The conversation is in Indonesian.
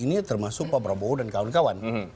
ini termasuk pak prabowo dan kawan kawan